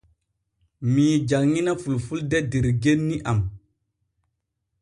Mii janŋina fulfulde der genni am.